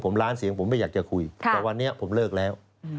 ผมล้านเสียงผมไม่อยากจะคุยแต่วันนี้ผมเลิกแล้ว